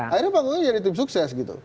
akhirnya panggungnya jadi tim sukses gitu